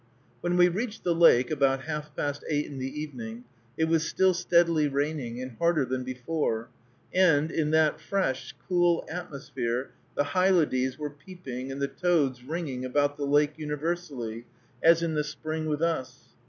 When we reached the lake, about half past eight in the evening, it was still steadily raining, and harder than before; and, in that fresh, cool atmosphere, the hylodes were peeping and the toads ringing about the lake universally, as in the spring with us.